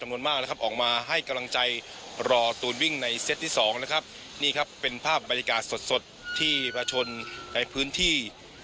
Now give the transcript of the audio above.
นี่ครับเป็นภาพบรรยากาศสดที่ประชนในพื้นที่